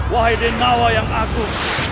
wahai denawa yang agung